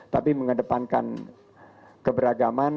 tapi mengedepankan keberagaman